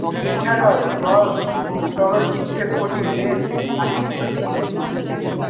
এছাড়াও, গল্ফ ও চলচ্চিত্রের প্রতি বেশ আকৃষ্ট ছিলেন।